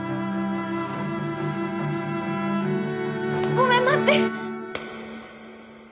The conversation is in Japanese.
ごめん待って！